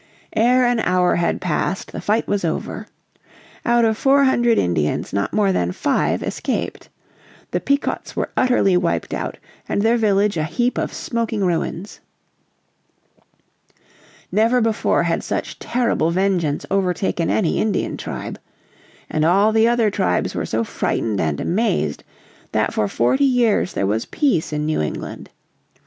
Ere an hour had passed the fight was over. Out of four hundred Indians not more than five escaped. The Pequots were utterly wiped out and their village a heap of smoking ruins. Never before had such terrible vengeance overtaken any Indian tribe. And all the other tribes were so frightened and amazed that for forty years there was peace in New England.